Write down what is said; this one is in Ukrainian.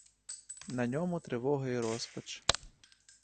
На ньому тривога й розпач.